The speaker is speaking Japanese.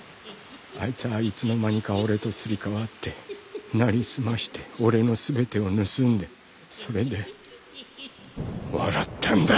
あいつはいつの間にか俺とすり替わって成り済まして俺の全てを盗んでそれで笑ったんだ！